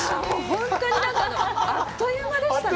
本当になんかあっという間でしたね。